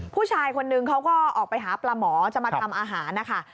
ผู้ชายคนนึงเขาก็ออกไปหาปลาหมอจะมาทำอาหารนะคะ